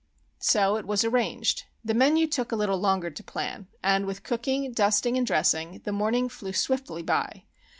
So it was arranged. The menu took a little longer to plan; and with cooking, dusting, and dressing, the morning flew swiftly by.